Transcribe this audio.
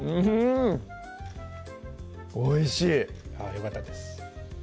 おいしいよかったです